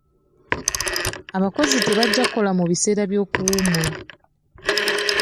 Abakozi tebajja kukola mu biseera by'okuwummula.